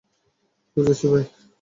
বুঝেছি, ভাই।